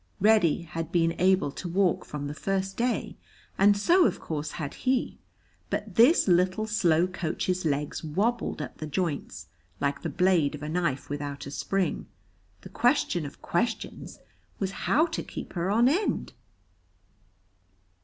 Reddy had been able to walk from the first day, and so of course had he, but this little slow coach's legs wobbled at the joints, like the blade of a knife without a spring. The question of questions was How to keep her on end?